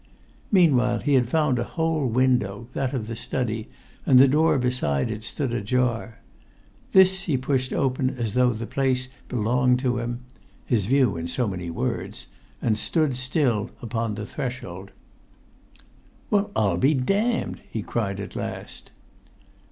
Meanwhile he had found a whole window, that of the study, and the door beside it stood ajar. This he pushed open as though the place belonged to him (his view in so many words), and stood still upon the threshold. "Well, I'm damned!" he cried at last.